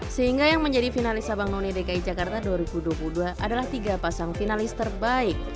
sehingga yang menjadi finalis abang none dki jakarta dua ribu dua puluh dua adalah tiga pasang finalis terbaik